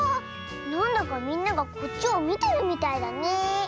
なんだかみんながこっちをみてるみたいだねえ。